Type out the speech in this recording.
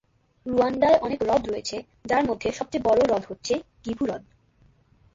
রুয়ান্ডায় অনেক হ্রদ রয়েছে, যার মধ্যে সবচেয়ে বড় হ্রদ হচ্ছে কিভু হ্রদ।